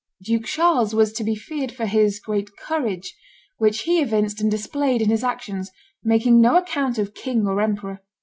Duke Charles was to be feared for his great courage, which he evinced and displayed in his actions, making no account of king or emperor.